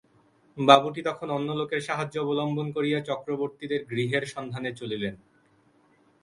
বাবুটি তখন অন্য লোকের সাহায্য অবলম্বন করিয়া চক্রবর্তীদের গৃহের সন্ধানে চলিলেন।